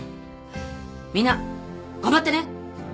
みんな頑張ってね。